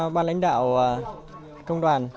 ban lãnh đạo công đoàn